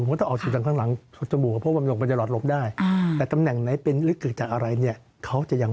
ก็ก็ต้องเอาซูสาธิการข้างหลังโจมูกหรือที่ผมเพิ่มยลง